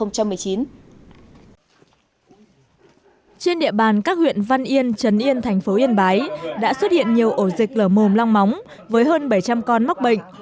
trên địa bàn các huyện văn yên trấn yên thành phố yên bái đã xuất hiện nhiều ổ dịch lở mồm long móng với hơn bảy trăm linh con mắc bệnh